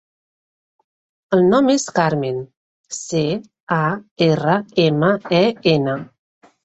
El nom és Carmen: ce, a, erra, ema, e, ena.